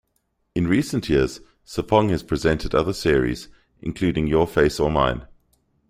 In recent years, Sarpong has presented other series, including Your Face or Mine?